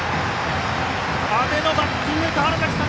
阿部のバッティング、川原崎さん